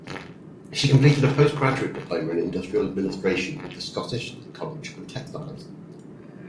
She completed a Post-graduate Diploma in Industrial Administration at the Scottish College of Textiles.